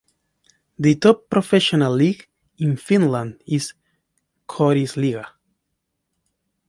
The top professional league in Finland is Korisliiga.